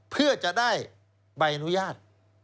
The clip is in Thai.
เพื่อจะได้ใบอนุญาต